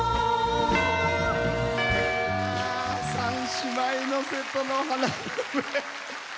３姉妹の「瀬戸の花嫁」。